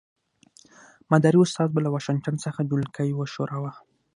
مداري استاد به له واشنګټن څخه ډولکی وښوراوه.